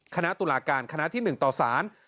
คณะตุลาการคณะที่๑ต่อสาร